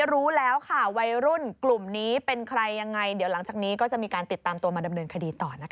รู้แล้วค่ะวัยรุ่นกลุ่มนี้เป็นใครยังไงเดี๋ยวหลังจากนี้ก็จะมีการติดตามตัวมาดำเนินคดีต่อนะคะ